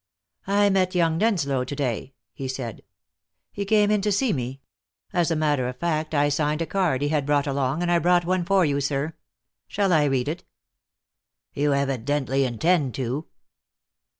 "I met young Denslow to day," he said. "He came in to see me. As a matter of fact, I signed a card he had brought along, and I brought one for you, sir. Shall I read it?" "You evidently intend to."